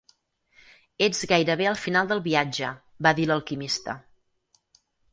"Ets gairebé al final del viatge", va dir l'alquimista.